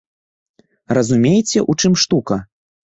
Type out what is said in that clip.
Разумееце, у чым штука?